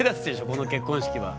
この結婚式は。